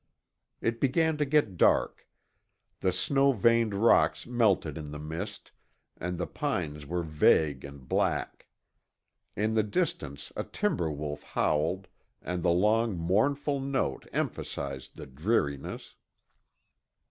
It began to get dark. The snow veined rocks melted in the mist and the pines were vague and black. In the distance a timber wolf howled and the long mournful note emphasized the dreariness.